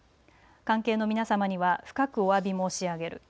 関係の皆様には深くおわび申し上げる。